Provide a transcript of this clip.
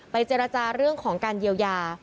เจรจาเรื่องของการเยียวยา